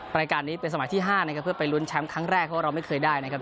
รายการนี้เป็นสมัยที่๕นะครับเพื่อไปลุ้นแชมป์ครั้งแรกเพราะว่าเราไม่เคยได้นะครับ